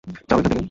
যাও এখান থেকে!